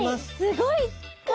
すごい数！